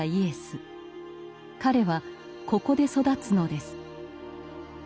彼はここで育つのです。